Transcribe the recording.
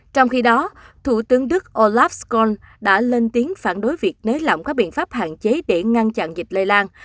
trong khi đó thủ tướng đức olaf schol đã lên tiếng phản đối việc nới lỏng các biện pháp hạn chế để ngăn chặn dịch lây lan